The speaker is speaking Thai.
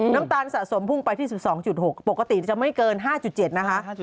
น้ำตาลสะสมพุ่งไปที่๑๒๖ปกติจะไม่เกิน๕๗นะคะ